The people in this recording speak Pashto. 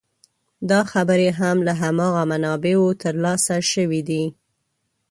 دا خبرې هم له هماغو منابعو تر لاسه شوې دي.